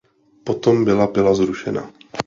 Potom byla pila zrušena.